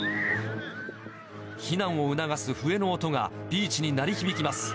避難を促す笛の音が、ビーチに鳴り響きます。